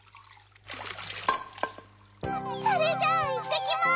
それじゃあいってきます！